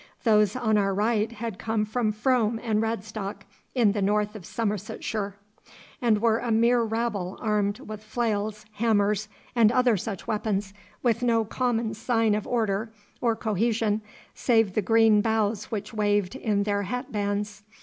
Those on our right had come from Frome and Radstock, in the north of Somersetshire, and were a mere rabble armed with flails, hammers, and other such weapons, with no common sign of order or cohesion save the green boughs which waved in their hat bands.